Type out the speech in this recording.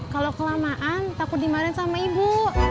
kalau kelamaan takut dimainan sama ibu